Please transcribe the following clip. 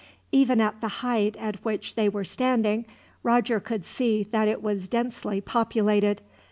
Even at the height at which they were standing, Roger could see that it was densely populated.